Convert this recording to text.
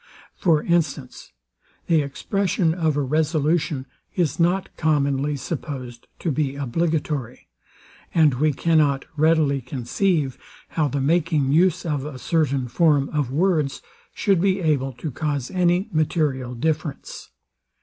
For instance; the expression of a resolution is not commonly supposed to be obligatory; and we cannot readily conceive how the making use of a certain form of words should be able to cause any material difference.